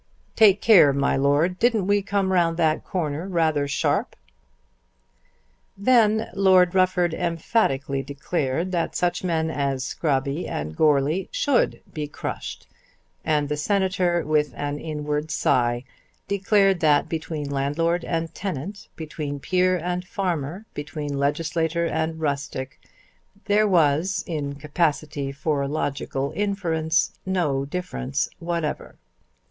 Take care, my Lord. Didn't we come round that corner rather sharp?" Then Lord Rufford emphatically declared that such men as Scrobby and Goarly should be crushed, and the Senator, with an inward sigh declared that between landlord and tenant, between peer and farmer, between legislator and rustic, there was, in capacity for logical inference, no difference whatever.